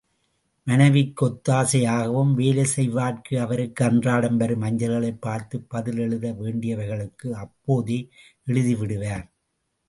மனைவிக்கு ஒத்தாசையாகவும் வேலை செய்வார் அவருக்கு அன்றாடம் வரும் அஞ்சல்களைப் பார்த்து, பதில் எழுத வேண்டியவைகளுக்கு அப்போதே எழுதிவிடுவார்.